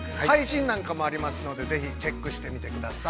配信なんかもありますのでぜひチェックしてください。